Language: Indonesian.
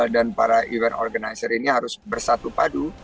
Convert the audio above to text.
dan para event organizer ini harus bersatu padu